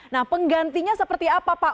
nah penggantinya seperti apa pak